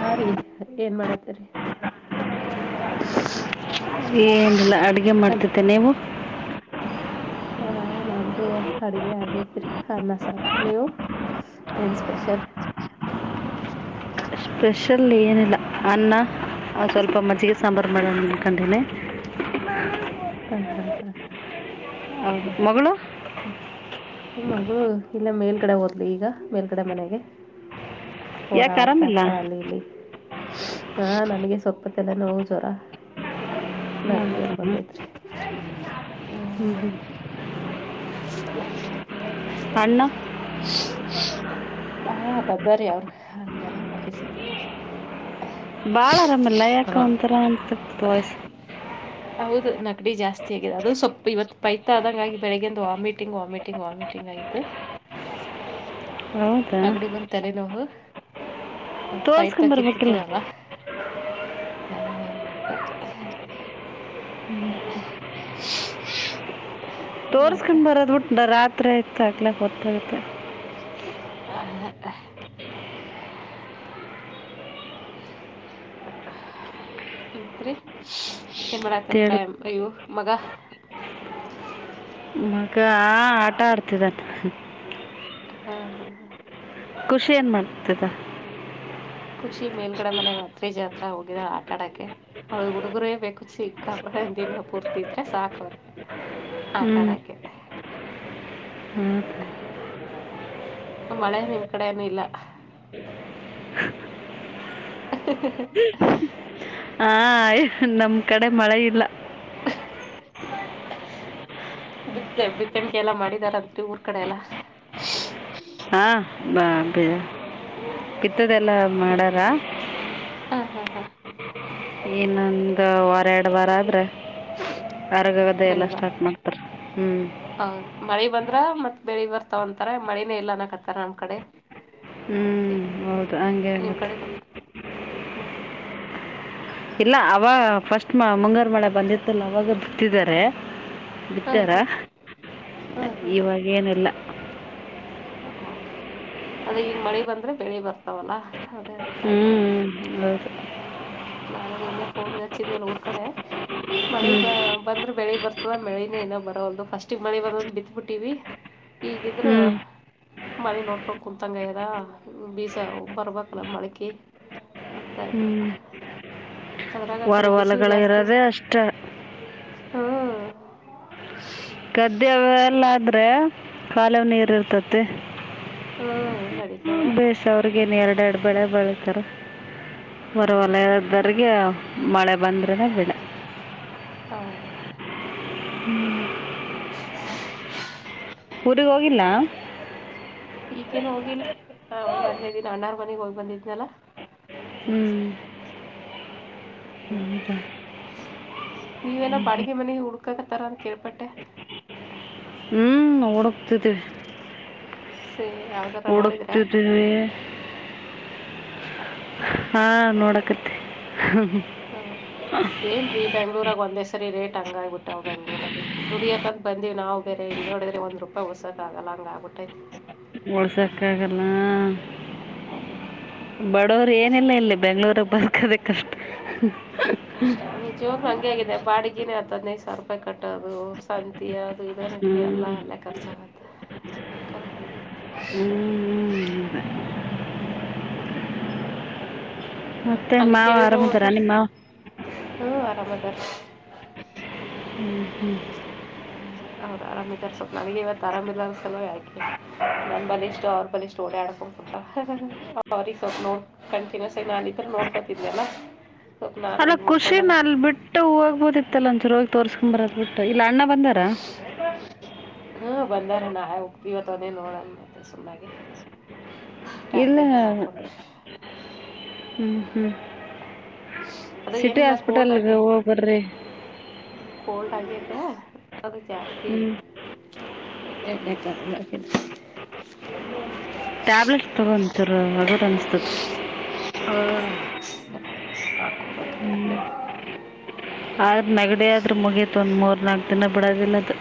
ಹ ರೀ ಏನ್ ಮಾಡತ್ತರಿ [unintelligible] ಏನಿಲ್ಲ ಅಡುಗೆ ಅಲೋ ಮಾಡ್ತಿದ್ದೆ ನೀವು ಹ ನಮ್ದು ಅಡ್ಗೆ ಆಗೇತ್ರಿ ಅನ್ನ ಸಾರು ನೀವು ಎನ್ ಸ್ಪೆಷಲ್ ಸ್ಪೆಷಲ್ ಏನಿಲ್ಲ ಅನ್ನ ಸ್ವಲ್ಪ ಮಜ್ಜಿಗೆ ಸಾಂಬಾರು ಮಾಡೋ ನಿಕೊಂಡಿನಿ ಹಾ ಹಾ ಹಾ ಹೌದು ಮಗಳು ಮಗಳು ಇಲ್ಲ ಮೇಲ್ಗಡೆ ಹೋದಲಿ ಈಗ ಮೇಲ್ಗಡೆ ಮನೆಗೆ ಯಾಕೆ ಓಡಾಡ್ತಾ ಆರಾಮಿಲ್ಲ ಇರ್ತಾಳೆ ಅಲ್ಲಿ ಇಲ್ಲಿ ಹಾ ನನಗೆ ಸ್ೊಪ್ಪತ್ತಲ್ಲ ನೋವು ಜ್ವರ ನಗಡಿ ಹೌದಾ ಅದ್ ಬಂದೈತ್ರಿ ಹ್ಮ ಹ್ಮ್ ಹ್ಮ್ [unintelligible] ಅಣ್ಣ. ಹಾ ಬದರಿ ಅವರು ಅಂದಾರ ಆಫೀಸಿನ. ಭಾಳ ಆರಾಮೇಲೆ ಲ ಯಾಕೆ ಒಂಥರ ಅನ್ತತದ ವಾಯ್ಸ್. ಹೌದು ನಗಡಿ ಜಾಸ್ತಿ ಆಗಿದೆ ಅದು ಸ್ವಲ್ಪ ಇವತ್ತು ಪೈತ ಆದಂಗಾಗಿ ಬೆಳಗ್ಗಿಂದು ವಾಮಿಟಿಂಗ್ ವಾಮಿಟಿಂಗ್ ವಾಮಿಟಿಂಗ್ ಟಿಂಗಯು ಹೌದಾ ಅಗಡಿ ಬಂದ ತಲೆ ನೋವು ಪೈ ತ ತೋರಿಸ್ಕೊಂಬರ್ಬೇಕಿಲ್ಲ ಕಿತ್ತತದಲ್ಲ ಹ ಹಪ್ಪ [unintelligible] ತೋರ್ಸ್ಕೊಂಡು ಬರೋ್ಬಿಟ್ಟು ರಾತ್ರಿಯತ ಹಾಕ್ಲಿಕ್ಕೆ ಗೊತ್ತಾಗುತ್ತೆ ಆ [unintelligible] ಮತ್ರಿ ರೀ ಏನ್ ಮಾಡತತ್ರ ತಿಳಿ ಅಯ್ಯೋ ಮಗ ಮಗ ಆಟ ಆಡ್ತಿದಂತ ಹಾ ಹಾ ಹಾ. ಖುಷಿ ಏನ್ ಮಾಡ್ತದ. ಖುಷಿ ಮೇಲ್ಗಡೆ ಮನೆಾಗ ಹತ್ರೀಜ್ ಹತ್ರ ಹೋಗಿದಾಳ ಆಟಾಡಕ್ಕೆೆ. ಅವಳ ಹುಡುಗರೇ ಬೇಕು ಚಿಕ್ಕಳ ದಿನ ಪೂರ್ತಿ ಇದ್ರೆ ಸಾಕವ್ರಿ ಆಟ ಹ್ಞೂ ಆಡಕ್ಕೆ ಹ್ಮ್. ಹೌದಾ ಮಳೆ ನಿಮ್ ಕಡೆನುೂ ಇಲ್ಲ. ಹಹಹ. ಹ ನಮ್ ಕಡೆ ಮಳೆ ಇಲ್ಲ. ಬಿತ್ತ ಬಿತ್ತನ್ಕ ಎಲ್ಲ ಮಾಡಿದಾರಂತೆ ಊರ್ ಕಡೆ ಎಲ್ಲ. ಹಾ ಬಾ ಬಿ ಬಿತ್ತದೆಲ್ಲಾ ಮಾಡಾರ. ಹಾ ಹಾ ಹಾ. ಇನ್ನೊಂದು ವಾರ ಎರಡ ವಾರ ಆದ್ರ. ಹರಗೋದ ಎಲ್ಲಾ ಸ್ಟಾರ್ಟ್ ಮಾಡ್ತಾರ ಹ್ಮ್. ಹೌದ ಮಳಿ ಬಂದ್ರ ಮತ್ ಬೆಳಿ ಬರ್ತಾವಂತಾರ ಮಳಿನೇ ಇಲ್ಲ ಅನಕತ್ತಾರ ನಮ್ಮ ಕಡೆ. ಹ್ಮ್. ನಿಮ್ ಕಡೆ ಬ ಹ್ಮ. ಇಲ್ಲ ಅವ ಫಸ್ಟ್ ಮ ಮುಂಗಾರ ಮಳೆ ಬಂದಿತ್ತಲ್ಲ ಅವಾಗ ಬತ್ತಿದ್ದಾರೆ. ಹಾಂ ಬಿತ್ಯಾರ ಹಾಂ ಇವಾಗೇನಿಲ್ಲ. ಹ ಅದೇ ಈಗ ಮಳೆ ಬಂದ್ರೆ ಬೆಳಿ ಬರ್ತಾವಲ್ಲ. ಅದೇ ಅಂತ ಇದ್ರು ಹ್ಮ್ ಹ್ಮ್ ಹೌದು. ನಾನು ನಿನ್ನೆ ಫೋನ್ ಹಸಿದ್ದೇವಲ್ಲ ಊರ್ ಕಡೆ. ಹ್ಞೂ ಮಳೆಗ ಬಂದ್ರೆ ಬೆಳಿಗ್ ಬರ್ತದ ಮಳೆ. ಇ ಏನೋ ಬರಲ್ದು ಫಸ್ಟ್ ಮಳಿ ಬಂದಂದು ಬಿತ್ಬಿಟ್ಟಿವಿ ಈಗಿದ್ರ. ಹ್ಞೂ ಮಳಿ ನೋಡ್ಕೊಂಡ್ ಕುಂತಂಗಯ್ಯದ ಬೀಜ ಬರ್ಬಕ್ಲ್ಲ ಮಳಕಿ. ಹಗ್ತಾ ಇದ್ರು. ಅದ್ರಾಗ ಆ ಕಡೆ ಬಿಸಿಲು ವರವಲಗಳ ಜಾಸ್ತಿ ಇರೋದೇ ಅಷ್ಟ. ಹ್ಮ್. ಗದ್ದೆ ಅವ ಎಲ್ಲ ಆದ್ರೆ. ಕಾಲುವೆ ನೀರ ಇರತೈತೆ ಹ್ಮ್ ನಡೀತದ ಬೆಸ್ ಸಾವ್ರಗೇನು ಎರಡು ಎರಡು ಬೆಳೆ ಬೆಳಿತಾರ. ಹೊರ ವಲಯದರಿಗೆ ಮಳೆ ಬಂದ್ರೆನ ಬಿಡ ಹೌದ. ಊರಿಗೆ ಹೋಗಿಲ್ಲ. ಈಗೇನ್ ಹೋಗಿಲ್ರಿ ಅವಾಗೆ ಹದಿನೈದು ದಿನ ಅಣಾರ್ ಮನೆಗೆ ಹೋಗಿ ಬಂದಿದ್ನಲ್ಲ. ಹ್ಞೂ ಸರಿ ಸರಿ. ಹೌದಾ. ನೀವೇನ ಬಾಡಿಗೆ ಮನೆ ಹುಡ್ಕಕತ್ತರ ಅಂತ ಕೇಳ್ಪಟ್ಟೆ. ನೋಡೋಗತಿದವಿ. [unintelligible] ಹುಡುಕ್ತಿದೀವಿ. ಹಾ ನೋಡಕತ್ತ. ಹಾಂ ಏನು ರೀ ಬೆಂಗಳೂರಾಗ ಒಂದೇ ಸರಿ ರೇಟ್ ಹಂಗಾಗಿ ಬಿಟ್ಟಾವು ಬೆಂಗ್ಳೂರಲ್ಲಿ. ದುಡಿಯಕಂತ ಬಂದೀವಿ ನಾವು ಬೇರೆ ಇಲ್ಲಿ ನೋಡಿದ್ರೆ ಒಂದ ರೂಪಾಯಿ ಉಳಸಕ ಆಗಲ್ಲ ಹಂಗ ಆಗ ಬಿಟ್ಟೈತಿ. ಉಳ್ಸಕಾಗಲ್ಲ. ಬಡವರು ಏನೆಲ್ಲ ಇಲ್ಲಿ ಬೆಂಗ್ಳೂರಗ್ ಬದುಕೋದ ಕಷ್ಟ. ಕಷ್ಟಾನೆ. ನಿಜ್ವಾಗ್ಲೂ ಹಂಗೆ ಆಗಾಗಿದೆ ಬಾಡಿಗೆೇ ಹತ್ತು ಹದಿನೈದು ಸಾವಿರ ರೂಪಾಯಿ ಕಟ್ಟೋದು ಸಂತಿ ಅದು ಹ್ಞೂ ಇದರಟ್ಟಿಗೆ ಎಲ್ಲ ಅಲ್ಲೇ ಖರ್ಚು. [inaudible] ಬೇಕಲ್ಲಾ. ಹ್ಞೂ ಹೌದಾ. ಮತ್ತೆ ಮಾವ ಆರಾಮೀದರರ ನಿಮ್ ಮಾವ ಹ್ಮ ಆರಾಮಾದಾರ ಹ್ಮ್ ಹ್ಮ್ ಅವ್ರು ಆರಾಮ್ ಇದಾರ ಸ್ವಲ್ ನನಗೆ ಇವತ್ತು ಆರಾಮಿಲ್ಲ ಅನಿಸುತ್ತದೆ ಯಾಕೆ ನನ್ ಬಲಿ ಇಷ್ಟ ಅವ ಬಲಿ ಇಷ್ಟ ಓಡ ಆಡಕ್ ಹೋಗ್ ಸವಲ್ ನೋ ಕಂಟಿನ್ಯೂಸಗ ನಾನೀದ್ದ್ರ ನೋಡ್ಕೋತಿದನಲ್ಲ ಅಲ್ಲ ಖುಷಿನ ಅಲ್ಲಿ ಬಿಟ್ಟು ಹೋಗ್ಬೋದಿತ್ತಲ್ಲ ಒಂದಂಚೂರು ಹೋಗಿ ತೋರ್ಸ್ಕೊ್ ಬರದ್ ಬಿಟ್ಟು ಇಲ್ಲ ಅಣ್ಣ ಬಂದಾರ ಹ್ಮ ಬಂದಾರ ನಾ ಉಕ್ತಿೀವದೇ ನೋಡಣ ಮತ್ತೆ ಸುಮ್ಮಾಗಿ ಇಲ್ಲ ಹ್ಮ ಹ್ಮ್ [unintelligible] ಅದು ಸಿಟಿ ಏನಿಲ್ಲ ಕೋಲ್ಡ್ ಹಾಸ್ಪಿಟಲ್ಗೆ ಆಗಿದೆ ಹೋಗ್ಬರ್ರಿ. ಕೋಲ್ಡ್ ಆಗೈತೆ ಅದು ಜಾಸ್ತಿ ಹ್ಞೂ [unintelligible] ಟ್ಯಾಬ್ಲೆಟ್ಸ್ ತೊಗೋ ಅಂತರ ಆಗೋದು ಅನಸ್ತದ. ಹಾ [unintelligible] ಹಾಕೋಗತ್ತೆಗೆ ಅಲ್ಲೇ ಆದ ನೆಗಡಿ ಆದರು ಮುಗಿಯತು ಒಂದು ಮೂರು ನಾಲ್ಕು ದಿನ ಬಿಡೋದಿಲ್ಲದು.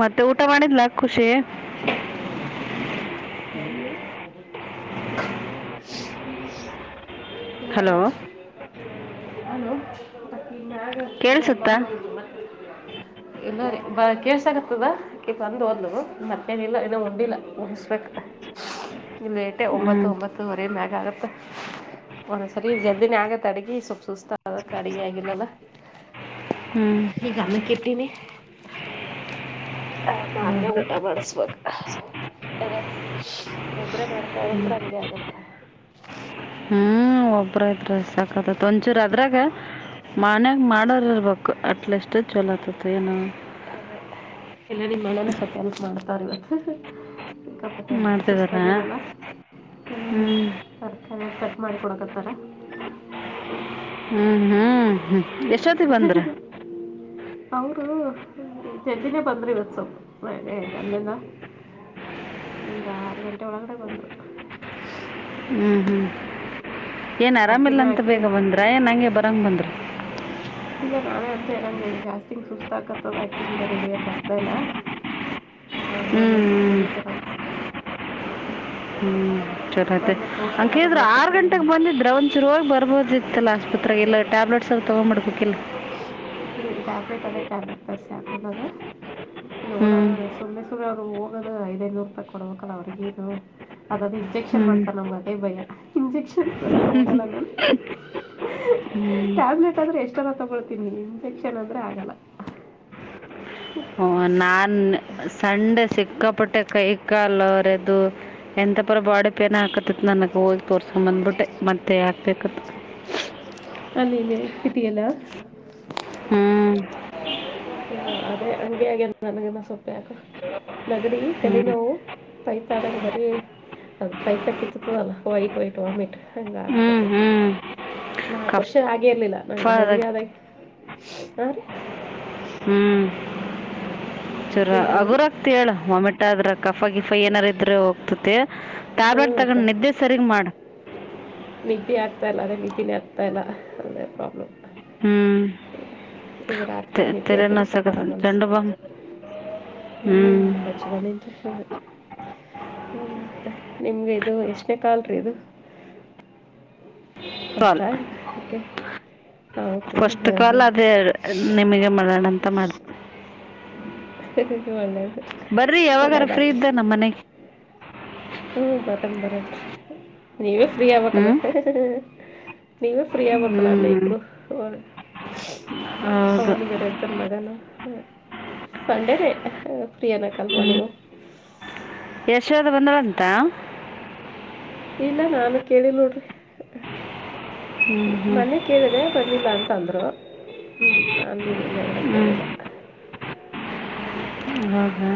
ಮತ್ತೆ ಊಟ ಮಾಡಿದ್ಲಾ ಖುಷಿ. ಹಲೋ. [unintelligible] ಹಲೋ ಮತ್ತಿ ಮ್ಯಾಗ ಅದೇ ಕೇಳಿಸುತ್ತಾ ಬಂದ್ ಹೋಗು ಮತ್ತೆ. [unintelligible] ಇಲ್ಲ ರೀ ಬ ಕೇಸಾಗತ್ತದ ಅದಕೆ ಬಂದು ಹೋದ್ಲು ಮತ್ತೇನಿಲ್ಲ ಏನ ಉಂಡಿಲ್ಲ ಮುಗಿಸ್ಬೇಕ. [inaudible] ಇ ಲೇಟೆ ಹ್ಞೂ ಒಂಬತ್ತು ಒಂಬತ್ತು ವರೆ ಮ್ಯಾಗ ಆಗತ್ತ. ಒಂದ್ಸರಿ ಜಲ್ದಿನೇ ಆಗತ್ತತ್ ಅಡಗೆ ಸ್ವಲ್ಪ್ ಸುಸ್ತ ಅದಕ ಅಡಗೆ ಆಗಿಲ್ಲಲ್ಲಾ. ಹ್ಞೂ ಈಗ ಅನ್ನ ತಿಂತೀನಿ ಆ ನಾನೇ ಒಬ್ರು ಊಟ ಮಾಡಿಸಬೇಕು ಹಾ. ಅದ ಸ್ಸ ಒಬ್ರೇ ಮಾಡ್ಕದಂದ್ರೆ ಹಂಗೆ ಆಗತ್ತ. ಒಬ್ರ ಇದ್ರೆ ಸಾಕತ್ತ್ ಒಂಚೂರು ಅದ್ರಾಗ ಮನ್ಯಾಗ ಮಾಡೋರ್ ಇರ್ಬೇಕು ಅಟ್ಲೀಸ್ಟ್ ಚೋಲೋ ಆತತ ಏನ ಅದೇ ಎಲ್ಲ ನಿಮ್ಮಣ್ಣನೇ ಸ್ವಲ್ಪ ಎಲ್ಪ್ ಮಾಡ್ತಾರ ಇವತ್ತು [unintelligible] ಮತ್ತೆ ಮಾಡ್ತಿದಾರಾ ಸುಸ್ತಾಗ್ಯದಲ್ಲ ಹ್ಞೂ ತರಕಾರಿ ಕಟ್ ಮಾಡಿಕೊಡಕತ್ತಾರ. ಹ್ಮ್ ಹ್ಮ್ ಹ್ಮ್ ಹ ಹ್ಹ. [inaudible] ಅವರು ಜಲ್ದಿನೇ ಬಂದರು ಇವತ್ತು ಫ್ರೈಡೇ ಐತೆ ಅಲ್ಲೇನ ಒಂದು ಆರು ಗಂಟೆ ಒಳಗಡೆ ಬಂದ ಬಿಡತರ [unintelligible] ಹ್ಮ್ ಹ್ಮ್ ಏನು ಆರಾಮಿಲ್ಲ ಅಕ್ಕಿನೇ ಅಂತ ಹಾಕಿ ಬೇಗ ಬಂದ್ರ ಏನು ಹಂಗೆ ಬರೋಂಗ ಬಂದ್ರ ಏ ಇಲ್ಲ ನಾನೇ ಅಂತ ಇರಂಗೆ ಜಾಸ್ತಿ ಯಿಂಗ್ ಸುಸ್ತು ಆಕತ್ತದ ಹಾಕಿನ ಬೇರೆ ಇಡಿಯಕ ಆಗ್ತಾಯಿಲ್ಲ. ಆ ಮನ ಸ ಪಿಢಿ ತರ [inaudible] ಹ್ಮ್ ಚರಿತೆ ಬಂದು ತೋರಿಸ್ಕೊಂಡಾರ ಅೇಳಿದ್ರ ಬರೋಕೆ ಆರ್ ಬರ್ತದೆ ಗಂಟೆಗೆ ಬಂದಿದ್ರೆ ಒಂತ [inaudible] ಚುರು ಹೊಗಿ ಬರ್ಬೋದಿತ್ತಿಲ್ ಆಸ್ಪತ್ರೆಗೆ ಇಲ್ಲ ಟ್ಯಾಬ್ಲೆಟ್ಸರ ತೊಗೊಂಬಡ್ಬಕಿಲ್ ಹ್ಮ ಟ್ಯಾಬ್ಲೆಟ್ ಅದೇ ಟ್ಯಾಬ್ಲೆಟ್ ಬೆರ್ಸಿ ಹಾಕೊಳದ ಹ್ಞೂ ನೋಡಣ ಸುಮ್ಮನೆ ಸುಮೆ ಅವರು ಹೋಗೋದು ಐದಐನೂರು ರೂಪಾಯಿ ಕೊಡ್ಬೇಕಲ್ಲ ಅವ್ರಗ ಇನು ಅದದ ಇಂಜಕ್ಷನ್ ಹ್ಞೂ ಮಾಡ್ತಾರ ನಮ್ಗ ಅದೇ ಭಯ ಇಂಜೆಕ್ಷನ್ ಸಲಗಿ ಹೋಗಲ್ಲ ನಾನ್ ಟ್ಯಾಬ್ಲೆಟ್ ಆದ್ರೆ ಎಷ್ಟನ ತಗೊಳ್ತೀನಿ ಇಂಜಕ್ಷನ್ ಅಂದ್ರೆ ಆಗಲ್ಲ ನಾನ್ ಸಂಡೆ ಸಿಕ್ಕಾಪಟ್ಟೆ ಕೈ ಕಾಲ ಹರೆದು ಎಂತಪರಿ ಬಾಡಿ ಪೇನ್ ಆಕತಿತ್ ನನಗ್ ಹೋಗಿ ತೋರ್ಸ್ಕೊಮ್ ಬಂದ್ಬಿಟ್ಟೆ ಮತ್ತೆ ಹಾಕ್ಬೇಕ ಅಂತ ಹ [inaudible] ಅಲ್ಲ ಇಲ್ಲಿ ಸಿಟಿಯಲ್ಲ ಹ್ಞೂ ಹ ಅದೇ ಅಂಗೇ ಆಗೆದ ನನಗನು ಸೊಪ್ ಯಾಕೊ ನಗಡಿ ಹ್ಞೂ ತಲೆ ನೋವು ಪೈತಾದಾಗ ಬರೆ ಅದ ಪೈತಕಿತ್ತತದಲ್ಲ ವೈಟ್ ವೈಟ್ ವಾಮಿಟ್ ಹಂಗ ಹ್ಞೂ ಆಕ್ಕತದ ಹ್ಞೂ ನಾಕ್ ವರ್ಷ ಕಫ ಆಗೆ ಇರ್ಲಿಲ್ಲ ನಂಗ ಅದಾಗ ಮದ್ವಿ ಆದಾಗ [unintelligible] ಹ್ಮ್ ಚರ ಏನಂದ್ರಿ ಹಗುರಗ್ತಿ ಹೇಳ ವಾಮಿಟ್ಟಾದ್ರ ಕಫ ಗಿಫ ಏನಾರ ಇದ್ರ ಹೋಗ್ತತಿ ಹ್ಞೂ ಟ್ಯಾಬ್ಲೆಟ್ ಅಕ್ಕ ತಗೊಂಡ್ ನಿದ್ದೆ ಸರಿಗಿ ಮಾಡ್ ನಿದ್ದಿ ಹತ್ತತಾ ಇಲ್ಲಾ ಅದೇ ನಿದ್ದೆನೇ ಹತ್ತತ್ತಾ ಇಲ್ಲಾ ಅದೇ ಪ್ರಾಬ್ಲಮ್ ಇವ ರಾತ್ ತೆಲಿ ನುಸಾಕಹತಾಕತೈದ ಜಂಡು ಬಾಂಬ್ ತಗೊಂಡಿನ್ರಿ ನಿಮ್ಗೆ ಇದು ಎಷ್ಟನೇ ಕಲ್ ರೀ ಇದು ಫಸ್ಟ್ ಕಾಲ್ ಆಯಕೆ ಫಸ್ಟ್ ಕಾಲ್ ಅದೇ ನಿಮಗೆ ಮಾಡೋಣ ಅಂತ ಮಾಡ್ತ ಒಳ್ಳೇದ್ ಬರ್ರಿ ಯಾವಾಗಾರ ಫ್ರೀ ಇದ್ದಾಗ ನಮ್ಮ್ ಮನೆಗೆ ಹ್ಮ ಬರನ್ ಬರನ್ರಿ ನೀವೇ ಫ್ರೀ ಆಗ್ಬೇಕಕ್ಲ್ ಹ್ಞೂ ನೀವೇ ಫ್ರೀ ಯಾ ಬೇಕಲ್ಲ ಅಂದ ಹ್ಞೂ ಇಬ್ರು ಅವ ಹೌದು ಅವನು ಬರ ರ್ ಮಗನು ಸಂಡೇನೇ ಫ್ರೀ ಅನಕ್ಲ್ವಾ ನೀವು ಯಶೋದಾ ಬಂದಾಳಂತ ಇಲ್ಲ ನಾನು ಕೇಳಿಲ್ ನೋಡ್ರಿ ಹ್ಞೂ ಹ್ಞೂ ಮನೆ ಕೇಳಿದೆ ಬಂದಿಲ್ಲ ಅಂತ ಅಂದರು ಹ್ಞೂ ನಾನು ನೀ ಇನ್ನದರೆ ಕೇಳಿಲ್ಲ ಹ್ಞೂ ಹಾ ಹಾ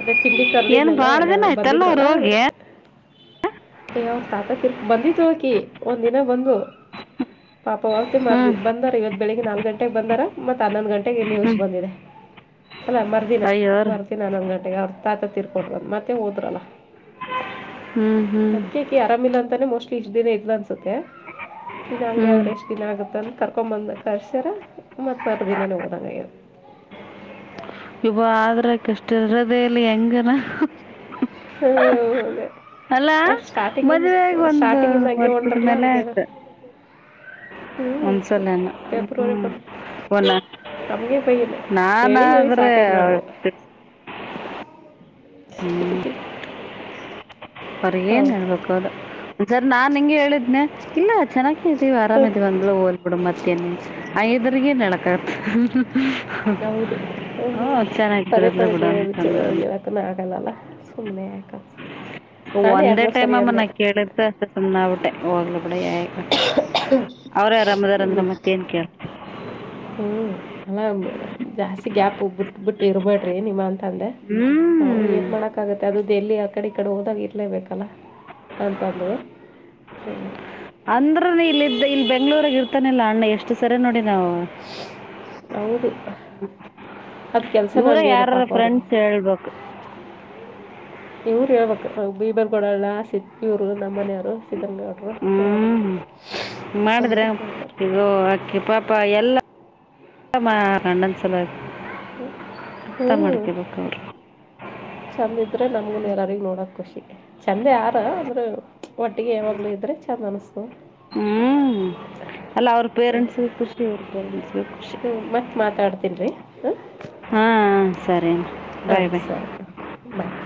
ಅದೇ ತಿಂಡಿ ಕರದೀದಲ್ ಎಲ್ಲ ಅವ್ರು ಬಂದಿದ್ರಲ್ಲಾ ಹೋಗಿ ಅಯ್ಯೊ ಅವ್ರ್ ತಾತ ತಿರ್ಕ ಬಂದಿದ್ಳಕಿ ಒಂದ್ ದಿನ ಬಂದು ಪಾಪ ಅವ ಹ್ಞೂ ಮಾರ್ದಿ ಬಂದಾರ ಬೆಳಿಗ್ಗೆ ನಾಲ್ಕು ಗಂಟೆಗೆ ಬಂದಾರ ಮತ್ತ್ ಹನ್ನೊಂದು ಗಂಟೆಗೆನ್ಯೂಸ್ ಹ್ಞೂ ಬಂದಿದೆ ಅಲ್ಲ ಮರುದಿನ ಅಯ್ಯೋ ನನ್ ಹನ್ನೊಂದ್ ಗಂಟೆಗೆ ಅವ್ರ ತಾತ ತೀರ್ಕೊಂಡ್ರ್ ಮತ್ತೆ ಹೋದ್ರಲ್ಲ ಹ್ಮ್ ಹ್ಮ್ ಅದಕ್ಕೆ ಆಕಿ ಆರಾಮಿಲ್ಲ ಅಂತಾನೆ ಮೋಸ್ಟ್ಲಿ ಇಷ್ಟ ದಿನ ಇದ್ಲ್ ಅನ್ಸತ್ತೆ ಇನಂಗೆ ಹ್ಮ್ ಆದ್ರೆ ಎಷ್ಟ ದಿನ ಆಗುತ್ತಂದ ಕರ್ಕೊಂಡ್ ಬಂದ ಕಳರ್ಸ್ಯಾರ ಮತ್ತ ಮರ್ ದಿನನೇ ಹೋದಂಗ ಇಬ್ರು ಆದ್ರಕಷ್ಟ ಇರದೇ ಇಲಿ ಹೆಂಗನ ಹೂ ಅದೇ ಅಲ್ಲ ಸ್ಟಾರ್ಟಿಂಗ್ ಇಂದ ಮದ್ವೆಗ ಒಂದು ಸ್ಟಾರ್ಟಿಂಗ್ ಇಂದ ಹಂಗೆ ವರ್ಷದ ಹೊಂಟರಲ್ಲ ಅವಿಗೆನ ಒಂದಸಲ್ಲ್ ಹ್ಮ ಫೆಬ್ರವರಿ ಬಂದು ಹನ ನಮಗೆ ಬೈಯನ ನಾನ ಹೇಳಿ ಹೇಳಿ ಆದ್ರೆ ಸಾಕೈತೆ ನಾವು ಹ [unintelligible] ಅವರೀಗ ಏನ್ ಹೇಳ್ಬೇಕು ಅದು ಒಂದಸರ್ ನಾನ್ ನಿಂಗೆ ಹೇಳಿದ್ದ ಇಲ್ಲ ಚೆನ್ನಾಗಿ ಇದೀವಿ ಆರಾಮ ಇದಿವಿ ಎಲ್ಲ ಹೋಲ್ಬಡು ಮತ್ತ ಐದರ್ಗ ನ [unintelligible] ಹೌದು ಪದೇ ಚೆನ್ನಾಗಿದ್ರಲ್ಲ ಪದೇ ಬಿಡು ಬೆರೆವರ್ ವಿಚಾರ ಅಂತಂದ ಅವಿಗೆಲ್ಲ ಆಗಲ್ಲಲ್ಲ ಸುಮ್ನೆ ಯಾಕದು ಒಂದೇ ಟೈಮ್ ಅಮ್ಮ ನ ಕೇಳಿದ್ದೆಷ್ಟ ಸುಮನಾಗಬೀಟೆ ಹೋಗ್ಲು ಬಿಡ ಯಾಕ ಅವ್ರೇ ಅರಾಮದಾರ ಅಂದ್ರೆ ಬಿಟ್ಟು ಮತ್ತೇನ್ ಕೇಳತೀ ಹ್ಞೂ ಅಲ್ಲ ಜಾಸ್ತಿ ಗ್ಯಾಪ್ ಬಿಟ್ಬ ಬಿಟ್ಟು ಇರ್ಬೇಡ್ರಿ ನಿಮ್ಮ ಅಂತಂದೆ ಹೌದು ಹ್ಮ್ ಏನು ಮಾಡೋಕ್ಕಾಗುತ್ತೆ ಅದು ಡೆಲ್ಲಿ ಆ ಕಡೆ ಈ ಕಡೆ ಹೋದಾಗ ಇರಲೇಬೇಕಲ್ಲ ಅಂತಂದ್ರು ಹ್ಮ ಅಂದ್ರನು ಇಲ್ಲಿದ್ದ ಇಲ್ಲಿ ಬೆಂಗಳೂರಗ ಇರ್ತಾನಿಲ್ಲಾ ಅಣ್ಣ ಎಷ್ಟು ಸರಿ ನೋಡಿ ನಾವು ಹ [inaudible] ಹೌದು ಅದ್ ಕೆಲ್ಸನು ಇವರ ಹಂಗೆ ಇದೆ ಯಾರ ಪಾಪ ಅವ್ರಿಗೆ ಫ್ರೆಂಡ್ಸ್ ಹೇಳ್ಬೇಕು ಇವ್ರು ಹೇಳ್ಬೇಕ ಬೀಬರ್ಗಡಲ್ಲ ಸಿ ಇವ್ರು ನಮ್ಮ ಮನೆ ಅವ್ರು ಶ್ಧರಂಗೌಡರು ಯದಕ್ಕೆ ಹ್ಮ್ ಅಂದ್ರೆ ಕೇಳ್ತಾರೆ [unintelligible] ಆಕೆ ಪಪಾ ಎಲ್ಲ ಮಾಡಾಳ ಅವರ್ ಅಣ್ಣನ್ ಸಲುವಾಗಿ ಅರ್ಥ ಹ್ಞೂ ಮಾಡ್ಕೊಬೇಕ ಅವ್ರು ಚಂದ ಇದ್ರೆ ನಮ್ಗು ಎಲ್ಲಾರಿಗೂ ನೋಡೋಕ್ ಖುಷಿ ಚೆಂದ ಯಾರ ಅಂದ್ರ ಒಟ್ಟಿಗೆ ಯಾವಾಗ್ಲುೂ ಇದ್ರೆ ಚಂದ ಅನ್ಸ್ತದ ಹ್ಮ್ ಅಲ್ಲ ಅವ್ರ ಪೇರೆಂಟ್ಸ್ಗೆ ಖುಷಿ ಇವ್ರ್ ಪೇರೆಂಟ್ಸ್ಗೆ ಖುಷಿ ಹ್ಮ್ ಮತ್ ಮಾತಾಡ್ತೀನ್ ರಿ ಹ ಹಾ ಹಾ ಸರಿ ಹಾಂ ಬಾಯ್ ಬಾಯ್ ಸರಿ ಓಕೆ ಬಾಯ್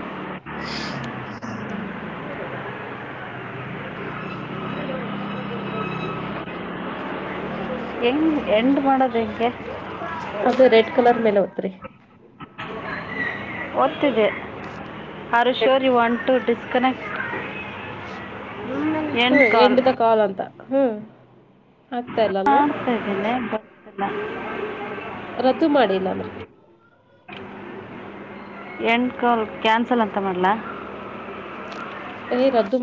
ಹೆಂಗ್ ಎಂಡ್ ಮಾಡೋದು ಹೆಂಗೆ ಅದೇ ರೆಡ್ ಕಲರ್ ಮೇಲೆ ಓತ್ರಿ [unintelligible] ಓತ್ತಿದೆ are you sure you want to disconnect [inaudible] ಹ್ಮ ಎಂಡ ದ ಕಾಲ್ ಅಂತ ಹ್ಮ [unintelligible] ರದ್ದು ಮಾಡಿ ಇಲ್ಲಾಂದ್ರೆ ಎಂಡ್ ಕಾಲ್ ಕ್ಯಾನ್ಸಲ್ ಅಂತ ಮಾಡ್ಲಾ ಹೆ ರದ್ದು